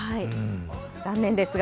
残念ですが。